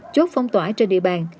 chốt phong tỏa trên địa bàn